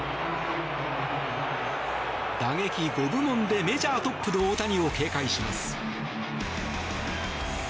打撃５部門でメジャートップの大谷を警戒します。